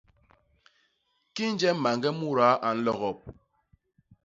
Kinje mañge mudaa a nlogop!